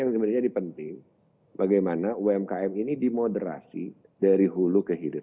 jadi penting bagaimana umkm ini dimoderasi dari hulu ke hilir